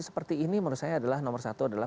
seperti ini menurut saya adalah nomor satu adalah